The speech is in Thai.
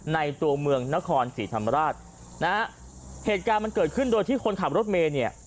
ในตัวเมืองนครศรีธรรมราชนะฮะเหตุการณ์มันเกิดขึ้นโดยที่คนขับรถเมย์เนี่ย